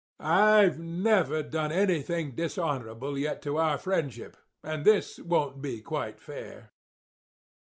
I've never done anything dishonourable yet to our friendship, and this won't be quite fair.